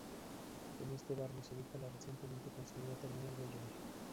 En este barrio se ubica la recientemente construida Terminal Belloni.